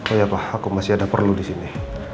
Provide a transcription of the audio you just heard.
oh iya pak aku masih ada perlu disini